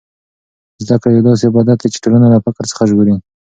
زده کړه یو داسې عبادت دی چې ټولنه له فقر څخه ژغوري.